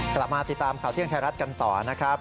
กลับมาติดตามข่าวเที่ยงไทยรัฐกันต่อนะครับ